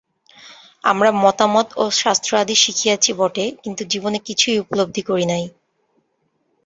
আমরা মতামত ও শাস্ত্রাদি শিখিয়াছি বটে, কিন্তু জীবনে কিছুই উপলব্ধি করি নাই।